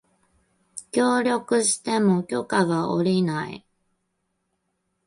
協力しても許可が降りない